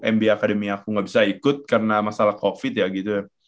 nba akademi aku gak bisa ikut karena masalah covid ya gitu ya